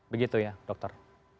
begitu ya dokter